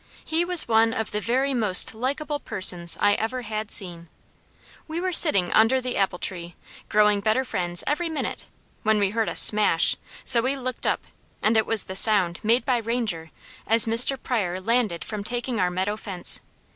He was one of the very most likeable persons I ever had seen. We were sitting under the apple tree, growing better friends every minute, when we heard a smash, so we looked up, and it was the sound made by Ranger as Mr. Pryor landed from taking our meadow fence.